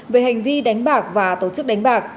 về hành vi đánh bạc và tổ chức đánh bạc